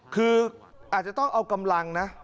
คืออาจจะต้องเอากำลังนะ